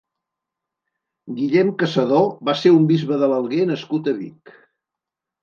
Guillem Caçador va ser un bisbe de l'Alguer nascut a Vic.